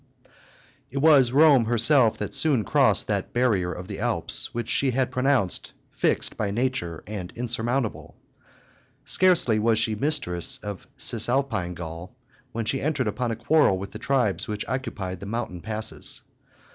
It was Rome herself that soon crossed that barrier of the Alps which she had pronounced fixed by nature and insurmountable. Scarcely was she mistress of Cisalpine Gaul when she entered upon a quarrel with the tribes which occupied the mountain passes.